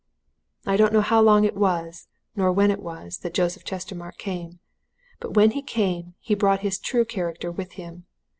"I don't know how long it was, nor when it was, that Joseph Chestermarke came. But when he came, he brought his true character with him.